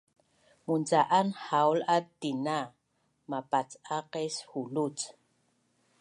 Munca’an haulat tina mapac’aqes huluc